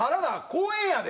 公園やで？